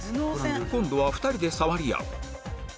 今度は２人で触り合う